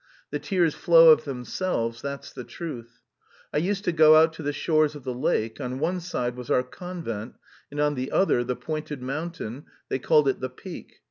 The tears flow of themselves, that's the truth. I used to go out to the shores of the lake; on one side was our convent and on the other the pointed mountain, they called it the Peak.